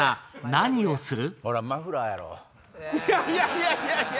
何をする？